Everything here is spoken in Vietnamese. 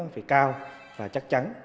phải cao và chắc chắn